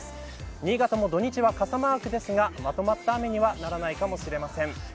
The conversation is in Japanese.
新潟も土日は傘マークですがまとまった雨にはならないかもしれません。